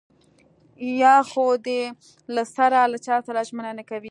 يا خو دې له سره له چاسره ژمنه نه کوي.